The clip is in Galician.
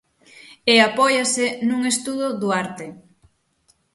E apóiase nun estudo Duarte...